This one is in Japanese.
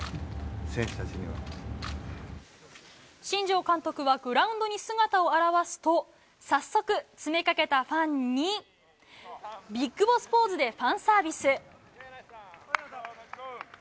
新庄監督はグラウンドに姿を現すと早速、詰めかけたファンにビッグボスポーズでファンサービス。